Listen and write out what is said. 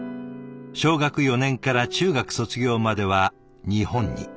小学４年から中学卒業までは日本に。